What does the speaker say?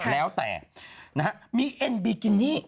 แล้วแต่นะฮะมีเอ็นบีกินี่